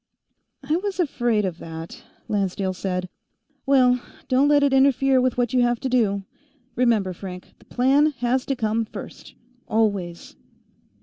"I was afraid of that," Lancedale said. "Well, don't let it interfere with what you have to do. Remember, Frank; the Plan has to come first, always."